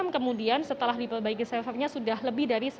dan satu jam kemudian setelah diperbaiki servernya sudah lebih dari seratus ribu